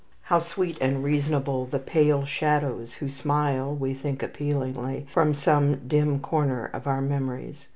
How sweet and reasonable the pale shadows who smile we think appealingly from some dim corner of our memories.